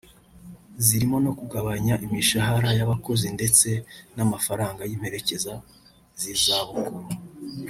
zirimo no kugabanya imishahara y’abakozi ndetse n’amafaranga y’imperekeza z’izabukuru